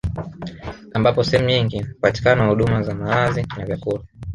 Ambapo sehemu nyingi hupatikana huduma za malazi na vyakula